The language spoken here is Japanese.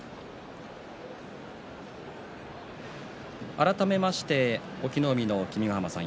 改めまして隠岐の海の君ヶ濱さん